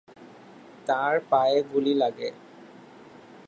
তার পায়ে গুলি লাগে।